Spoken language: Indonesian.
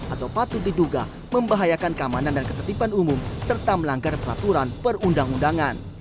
atau patut diduga membahayakan keamanan dan ketertiban umum serta melanggar peraturan perundang undangan